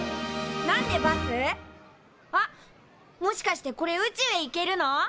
もしかしてこれ宇宙へ行けるの？